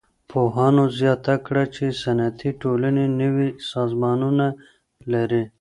پوهانو زياته کړه چي صنعتي ټولني نوي سازمانونه لري.